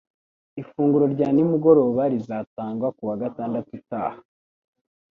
Ifunguro rya nimugoroba rizatangwa kuwa gatandatu utaha.